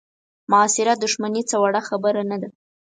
معاصره دوښمني څه وړه خبره نه ده.